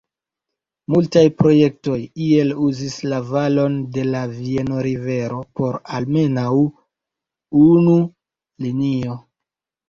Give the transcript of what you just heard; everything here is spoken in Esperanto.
Multaj projektoj iel uzis la valon de la Vieno-rivero por almenaŭ unu linio.